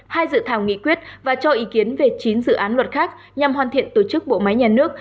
hai dự thảo nghị quyết và cho ý kiến về chín dự án luật khác nhằm hoàn thiện tổ chức bộ máy nhà nước